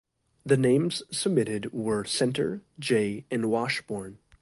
The names submitted were "Center," "Jay," and "Washbourne.